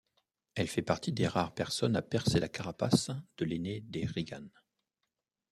Elle fait partie des rares personnes à percer la carapace de l’aîné des Reagan.